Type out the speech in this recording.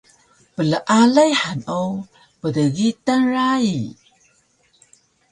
Plealay han o pdgitan rayi